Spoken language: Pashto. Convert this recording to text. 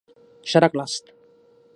ښه راغلاست.